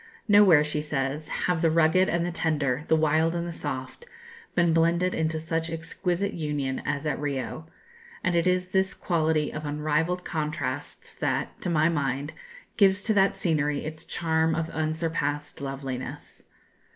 "Nowhere," she says, "have the rugged and the tender, the wild and the soft, been blended into such exquisite union as at Rio; and it is this quality of unrivalled contrasts that, to my mind, gives to that scenery its charm of unsurpassed loveliness.